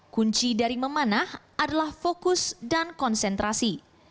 kunci dari memanah adalah fokus dan konsentrasi